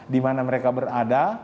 di mana mereka berada